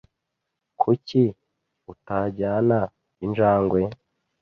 Kuki utajyana injangwe?